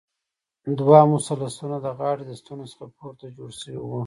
دوه مثلثونه د غاړې د ستنو څخه پورته جوړ شوي وو.